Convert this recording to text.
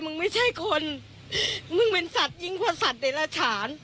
มึงเป็นสัตว์ยิงพ่อสัตว์ใดละถาน